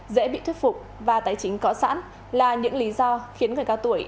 dễ bị thuyết phục và tái chính có sẵn là những lý do khiến người cao tuổi